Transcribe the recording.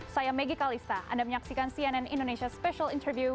saya megi kalista anda menyaksikan cnn indonesia special interview